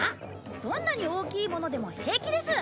どんなに大きいものでも平気です！